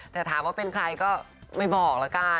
แต่ถามว่าเป็นใครก็ไม่บอกแล้วกัน